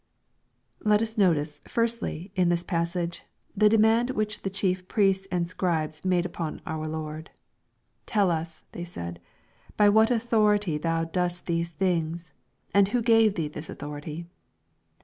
Let us notice, firstly, in this passage, the demand which the chief priests and scribes made upon our Lord, " Tell us,'' they said, " by what authority thou doest these things ? and who gave thee this authority